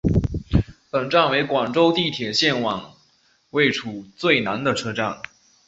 本站为广州地铁线网位处最南的车站。